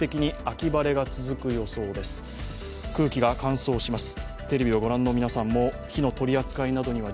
空気が乾燥します。